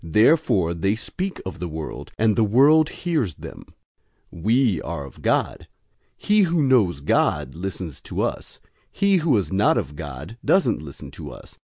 Therefore they speak of the world, and the world hears them. 004:006 We are of God. He who knows God listens to us. He who is not of God doesn't listen to us.